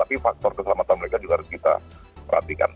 tapi faktor keselamatan mereka juga harus kita perhatikan